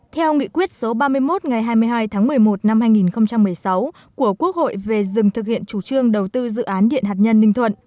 theo nghị quyết số ba mươi một ngày hai mươi hai tháng một mươi một năm hai nghìn một mươi sáu của quốc hội về dừng thực hiện chủ trương đầu tư dự án điện hạt nhân ninh thuận